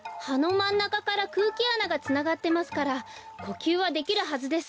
まんなかからくうきあながつながってますからこきゅうはできるはずです。